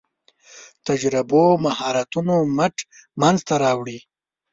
تجربو مهارتونو مټ منځ ته راوړي.